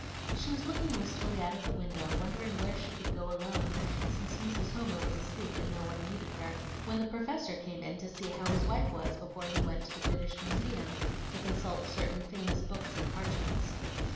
She was looking wistfully out of the window wondering where she could go alone, since Mrs. Homer was asleep and no one needed her, when the Professor came in to see how his wife was before he went to the British Museum to consult certain famous books and parchments.